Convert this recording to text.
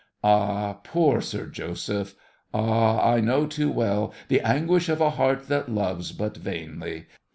Ah, poor Sir Joseph! Ah, I know too well The anguish of a heart that loves but vainly!